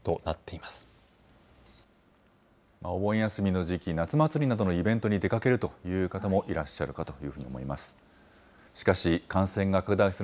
お盆休みの時期、夏祭りなどのイベントに出かけるという方もいらっしゃるかというふうに思います。